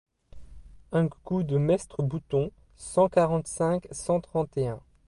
Ung coup de maistre Bouton cent quarante-cinq cent trente et un.